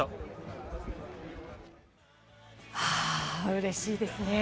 うれしいですね。